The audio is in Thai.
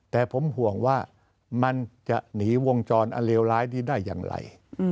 แต่ผมห่วงว่ามันจะหนีวงจรอันเลวร้ายนี้ได้อย่างไร